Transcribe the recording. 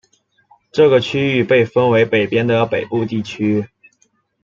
这个区域被分为北边的北部地区。